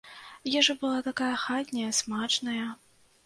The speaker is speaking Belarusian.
Ежа была такая хатняя, смачная.